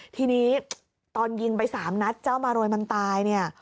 ทีนี้ตอนยิงไปสามนัดเจ้ามารวยมันตายเนี่ย